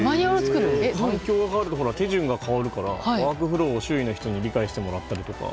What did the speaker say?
環境が変わると手順が変わるからワークフローを周囲の人に理解してもらったり。